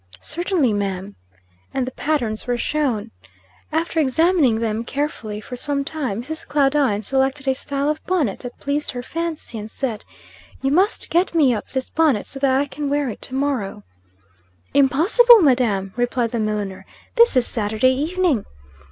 "Certainly, ma'am." And the patterns were shown. After examining them carefully, for some time, Mrs. Claudine selected a style of bonnet that pleased her fancy, and said "You must get me up this bonnet so that I can wear it to morrow." "Impossible, madam!" replied the milliner. "This is Saturday evening."